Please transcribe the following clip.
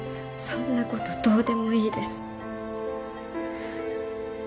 そんなことどうでもいいです。